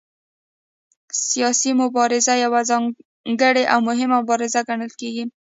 سیاسي مبارزه یوه ځانګړې او مهمه مبارزه ګڼل کېږي